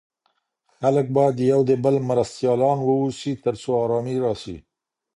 خلګ بايد يو د بل مرستيالان واوسي تر څو ارامي راسي.